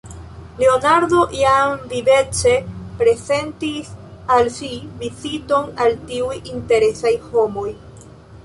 Leonardo jam vivece prezentis al si viziton al tiuj interesaj homoj.